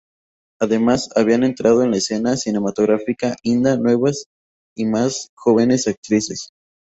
Además, habían entrado en la escena cinematográfica Inda nuevas y más jóvenes actrices.